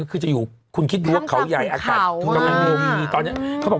ก็คือจะอยู่คุณคิดดูเขาใหญ่อากาศของเขามากตอนเนี้ยเขาบอก